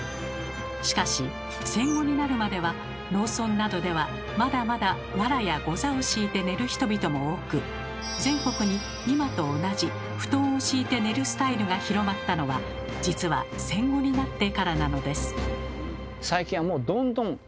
しかし戦後になるまでは農村などではまだまだわらやござを敷いて寝る人々も多く全国に今と同じ布団を敷いて寝るスタイルが広まったのは実は戦後になってからなのです。